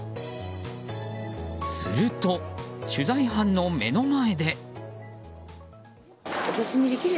すると、取材班の目の前で。